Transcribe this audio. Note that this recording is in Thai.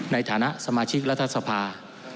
ในฐานะสมาชิกรัฐสภา